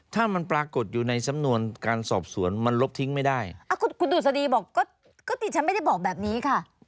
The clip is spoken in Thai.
ถ้ามันปรากฏอยู่ในสำนวนการสอบสวนมันลบทิ้งไม่ได้คุณดุษฎีบอกก็ดิฉันไม่ได้บอกแบบนี้ค่ะ